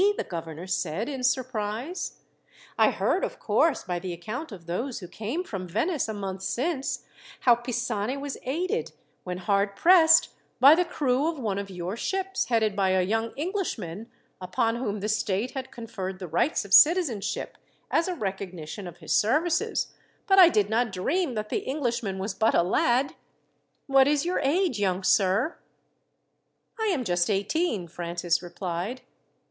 the governor said, in surprise. "I heard, of course, by the account of those who came from Venice a month since, how Pisani was aided, when hard pressed, by the crew of one of your ships, headed by a young Englishman, upon whom the state had conferred the rights of citizenship as a recognition of his services; but I did not dream that the Englishman was but a lad. "What is your age, young sir?" "I am just eighteen," Francis replied.